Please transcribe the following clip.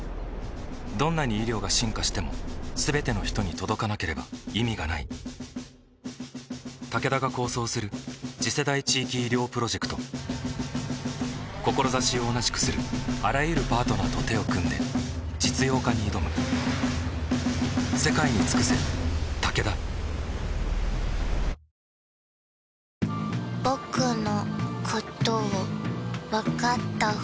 どんなに医療が進化しても全ての人に届かなければ意味がないタケダが構想する次世代地域医療プロジェクト志を同じくするあらゆるパートナーと手を組んで実用化に挑む三井アウトレットパーク！で！